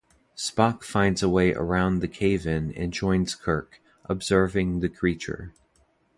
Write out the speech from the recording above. Spock finds a way around the cave-in and joins Kirk, observing the creature.